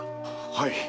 はい。